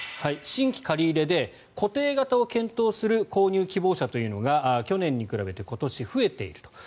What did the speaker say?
新規借り入れで固定型を検討する購入希望者というのが去年に比べて今年は増えていると。